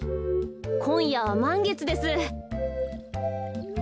こんやはまんげつです。